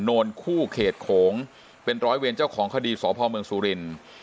นนคู่เขตโขงเป็นร้อยเวรเจ้าของคดีสพเมืองสุรินทร์